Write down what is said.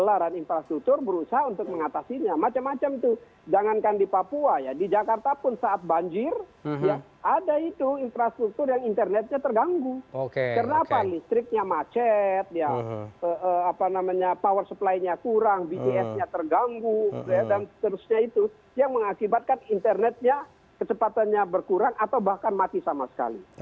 ya listriknya macet power supply nya kurang bgs nya terganggu dan seterusnya itu yang mengakibatkan internetnya kecepatannya berkurang atau bahkan mati sama sekali